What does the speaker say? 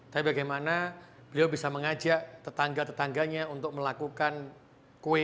tapi bagaimana beliau bisa mengajak tetangga tetangganya untuk melakukan kue